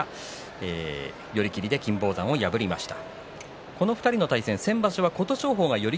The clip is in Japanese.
寄り切りで金峰山を破りました。